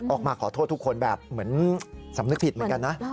ออกมาขอโทษทุกคนแบบเหมือนสำนึกผิดเหมือนกันนะ